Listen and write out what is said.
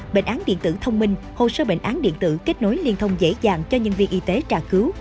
bệnh án điện tử thông minh hồ sơ bệnh án điện tử kết nối liên thông dễ dàng cho nhân viên y tế trả cứu